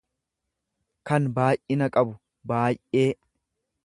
kan baay'ina qabu, baay'ee.